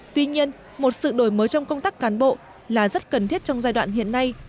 tuy nhiên một sự đổi mới trong công tác cán bộ là rất cần thiết trong giai đoạn hiện nay